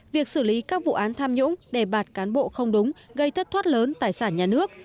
việc xử lý các vụ án tham nhũng đề bạt cán bộ không đúng gây thất thoát lớn tài sản nhà nước